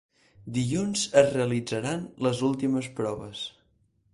Dilluns es realitzaran les últimes proves.